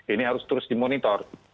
ini harus terus dimonitor